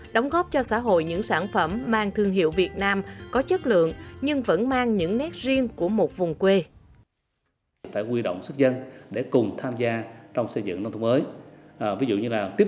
đóng góp cho xã hội những sản phẩm mang thương hiệu việt nam có chất lượng nhưng vẫn mang những nét riêng của một vùng quê